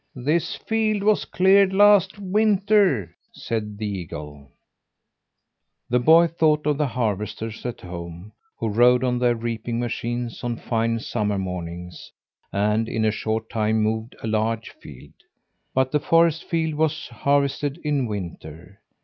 "This field was cleared last winter," said the eagle. The boy thought of the harvesters at home, who rode on their reaping machines on fine summer mornings, and in a short time mowed a large field. But the forest field was harvested in winter.